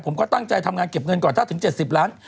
ผมก็ตั้งใจทำงานเก็บเงินก่อนถ้าถึง๗๐ล้าน